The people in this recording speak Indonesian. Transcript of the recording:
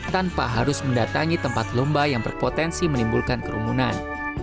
tanpa harus mendatangi tempat lomba yang berpotensi menimbulkan kerumunan